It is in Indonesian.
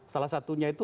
salah satunya itu